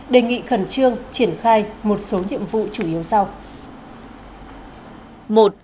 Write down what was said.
đề nghị khẩn trương triển khai một số nhiệm vụ chủ yếu sau